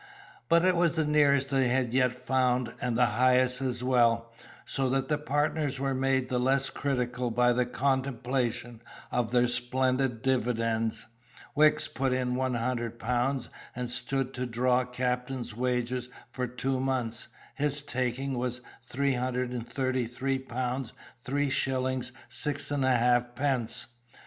But it was the nearest they had yet found, and the highest as well, so that the partners were made the less critical by the contemplation of their splendid dividends. Wicks put in 100 pounds and stood to draw captain's wages for two months; his taking was 333 pounds 3 shillings 6 1/2 pence.